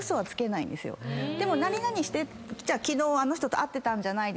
でも何々して昨日あの人と会ってたんじゃないですか？